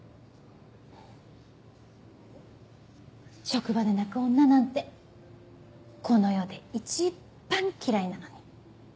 職場で泣く女なんてこの世で一番嫌いなのに。